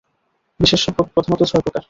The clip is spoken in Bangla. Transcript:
বিশেষ্য পদ প্রধানত ছয় প্রকার।